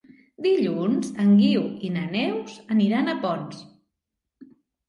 Dilluns en Guiu i na Neus aniran a Ponts.